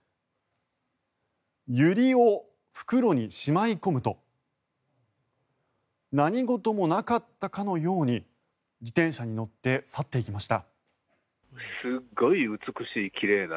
ユリを袋にしまい込むと何事もなかったかのように自転車に乗って去っていきました。